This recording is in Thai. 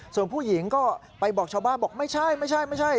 ส่วนผู้หญิงก็ไปบอกชาวบ้านบอกไม่ใช่ไม่ใช่